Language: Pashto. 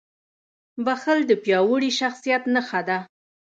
• بښل د پیاوړي شخصیت نښه ده.